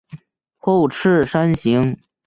后翅扇形。